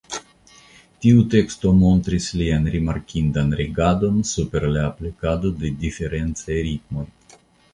Tiu teksto montris lian rimarkindan regadon super la aplikado de diferencaj ritmoj.